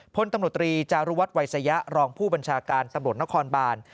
พลตำรวจตรีจารุวัฒนวัยสยะรองผู้บัญชาการตำรวจนครบาน